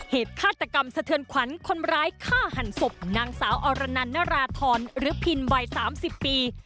เหตุฆาตกรรมสะเทือนขวัญคนร้ายฆ่าหันศพนางสาวอรนันนราธรหรือพินวัย๓๐ปี